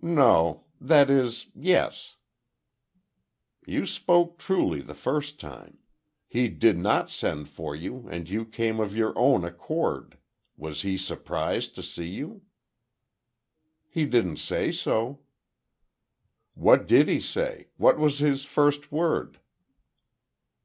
"No—that is, yes." "You spoke truly the first time. He did not send for you and you came of your own accord. Was he surprised to see you?" "He didn't say so." "What did he say? What was his first word?"